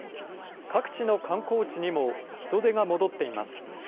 各地の観光地にも人出が戻っています。